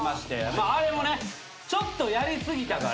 まああれもねちょっとやり過ぎたから。